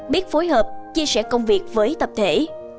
biết phối hợp chia sẻ công việc với tập thể